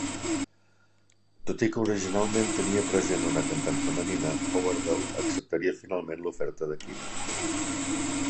Tot i que originalment tenia present una cantant femenina, Howerdel acceptaria finalment l'oferta de Keenan.